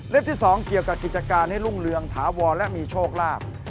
ที่๒เกี่ยวกับกิจการให้รุ่งเรืองถาวรและมีโชคลาภ